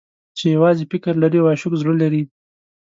چې يوازې فکر لري او عاشق زړه لري.